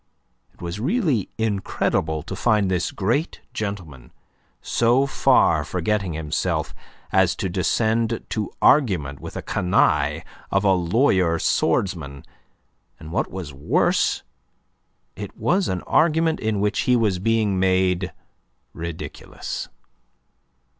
It was really incredible to find this great gentleman so far forgetting himself as to descend to argument with a canaille of a lawyer swordsman. And what was worse, it was an argument in which he was being made ridiculous.